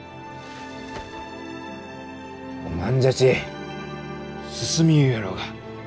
おまんじゃち進みゆうろうが。